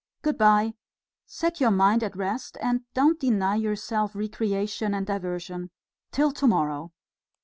Good bye; set your mind at rest and don't deny yourself recreation and diversion. Till to morrow!